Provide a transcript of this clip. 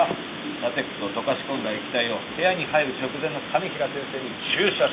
ラテックスを溶かし込んだ液体を部屋に入る直前の兼平先生に注射する。